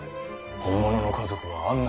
本物の華族はあんな